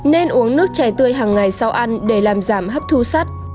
nên uống nước chè tươi hàng ngày sau ăn để làm giảm hấp dẫn